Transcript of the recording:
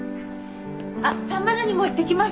あっ３０２も行ってきますね。